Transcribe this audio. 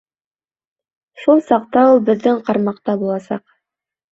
Шул саҡта ул беҙҙең ҡармаҡта буласаҡ.